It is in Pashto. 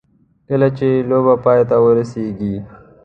کله چې لوبه پای ته ورسېږي.